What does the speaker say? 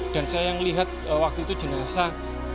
dan saya yang lihat waktu itu jenis esak